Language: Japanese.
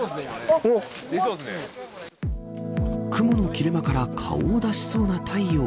雲の切れ間から顔を出しそうな太陽。